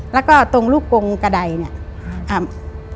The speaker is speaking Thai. แล้วก็ตรงลูกกงกระดายเนี่ยอ่า